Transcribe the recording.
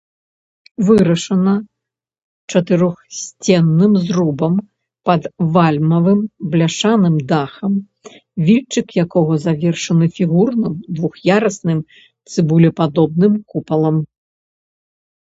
Вырашана чатырохсценным зрубам пад вальмавым бляшаным дахам, вільчык якога завершаны фігурным двух'ярусным цыбулепадобным купалам.